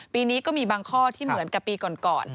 ปีนี้ก็มีบางข้อที่เหมือนกับปีก่อน